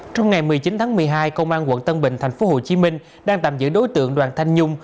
trong ngày một mươi chín tháng một mươi hai công an quận tân bình tp hcm đang tạm giữ đối tượng đoàn thanh nhung